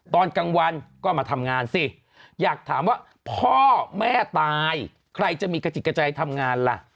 ตอนกลางวันก็มาทำงานสิอยากถามว่าพ่อแม่ตายใครจะมีกระจิตกระใจทำงานล่ะ